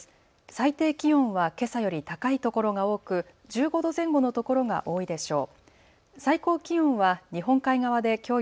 最低気温はけさより高いところが多く１５度前後のところが多いでしょう。